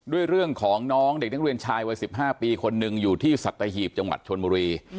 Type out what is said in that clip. เรื่องของน้องเด็กนักเรียนชายวัย๑๕ปีคนหนึ่งอยู่ที่สัตหีบจังหวัดชนบุรี